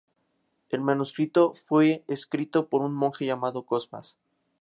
El manuscrito fue escrito por un monje llamado Cosmas.